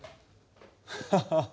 ハハハハ。